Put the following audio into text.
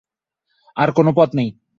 আর কোনো পথ নেই।